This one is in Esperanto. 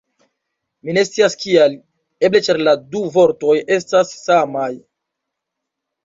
Mi ne scias kial. Eble ĉar la du vortoj estas samaj!